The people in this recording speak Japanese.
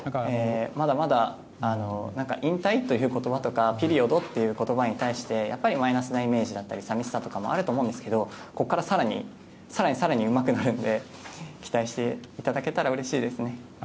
まだまだ、引退という言葉とかピリオドという言葉に対してマイナスなイメージだったり寂しさもあると思うんですけどここから更に更にうまくなるので期待していただけたらうれしいですね。